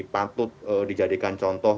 patut dijadikan perhubungan